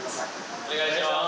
お願いします！